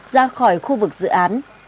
ra khỏi khu vực dự án